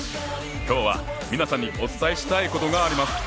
今日は皆さんにお伝えしたいことがあります。